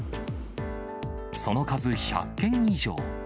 その数１００件以上。